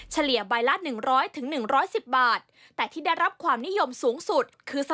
เฉลี่ยใบละ๑๐๐๑๑๐บาท